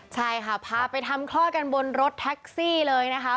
ใช่ค่ะพาไปทำคลอดกันบนรถแท็กซี่เลยนะคะ